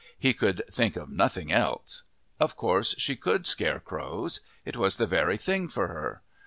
He could think of nothing else. Of course she could scare crows it was the very thing for her!